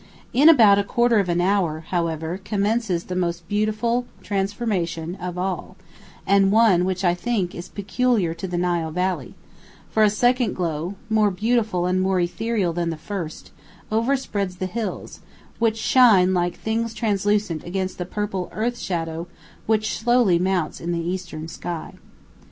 In about a quarter of an hour, however, commences the most beautiful transformation of all, and one which I think is peculiar to the Nile Valley, for a second glow, more beautiful and more ethereal than the first, overspreads the hills, which shine like things translucent against the purple earth shadow which slowly mounts in the eastern sky.